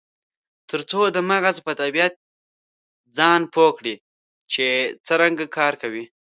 ترڅو د مغز په طبیعت ځان پوه کړي چې څرنګه کار کوي.